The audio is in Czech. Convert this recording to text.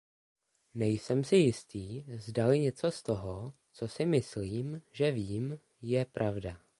Nejsem si jistý, zdali něco z toho, co si myslím, že vím, je pravda.